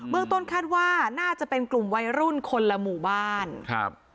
เมืองต้นคาดว่าน่าจะเป็นกลุ่มวัยรุ่นคนละหมู่บ้านครับ